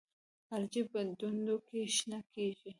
الجی په ډنډونو کې شنه کیږي